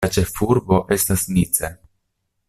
La ĉefurbo estas Nice.